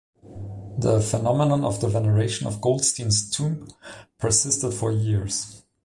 The phenomenon of the veneration of Goldstein's tomb persisted for years.